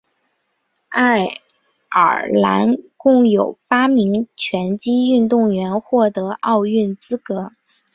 爱尔兰共有八名拳击运动员获得奥运资格。